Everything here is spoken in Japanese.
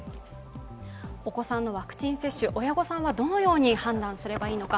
お子さんのワクチン接種、親御さんはどのように判断すればいいのか